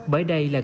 bởi đây là